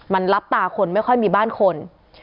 มันรับตาคนไม่ค่อยมีบ้านคน